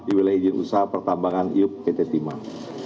di wilayah usaha pertambangan iup pt timah